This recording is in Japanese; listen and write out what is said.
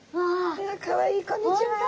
かわいいこんにちは。